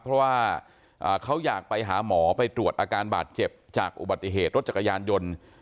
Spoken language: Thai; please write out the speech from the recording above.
เพราะว่าเขาอยากไปหาหมอไปตรวจอาการบาดเจ็บจากอุบัติเหตุรถจักรยานยนต์